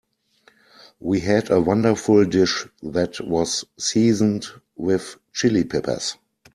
We had a wonderful dish that was seasoned with Chili Peppers.